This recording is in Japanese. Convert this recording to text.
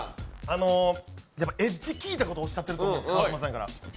エッジ効いたことおっしゃってると思うんです、川島さんやから。